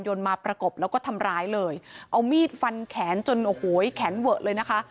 มาประกบแล้วก็ทำร้ายเลยเอามีดฟันแขนจนโอ้โหแขนเวอะเลยนะคะ